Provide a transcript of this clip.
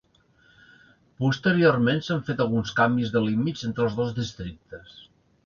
Posteriorment s'han fet alguns canvis de límits entre els dos districtes.